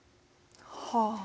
はあ。